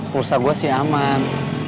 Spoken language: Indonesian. pulsa gue sih aman